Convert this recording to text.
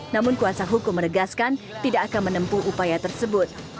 namun kuasa hukum menegaskan tidak akan menempuh upaya tersebut